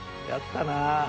やったなぁ。